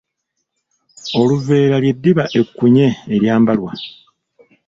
Oluveera ly’eddiba ekkunye eryambalwa.